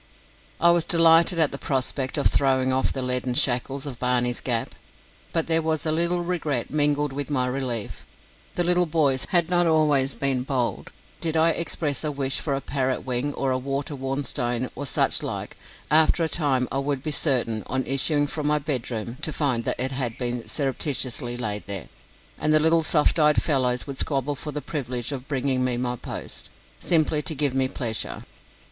I was delighted at the prospect of throwing off the leaden shackles of Barney's Gap, but there was a little regret mingled with my relief. The little boys had not been always bold. Did I express a wish for a parrot wing or water worn stone, or such like, after a time I would be certain, on issuing from my bedroom, to find that it had been surreptitiously laid there, and the little soft eyed fellows would squabble for the privilege of bringing me my post, simply to give me pleasure.